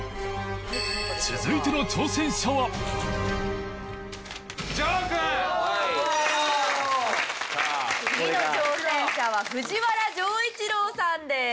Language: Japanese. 次の挑戦者は藤原丈一郎さんです。